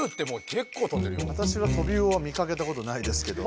わたしはトビウオは見かけたことないですけど。